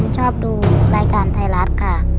ชอบดูรายการไทยรัฐค่ะ